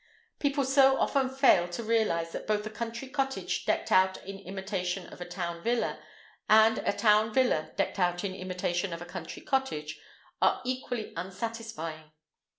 People so often fail to realise that both a country cottage decked out in imitation of a town villa, and a town villa decked out in imitation of a country cottage, are equally unsatisfying.